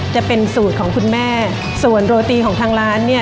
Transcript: จะเป็นสูตรของคุณแม่ส่วนโรตีของทางร้านเนี่ย